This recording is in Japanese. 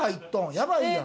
やばいやん。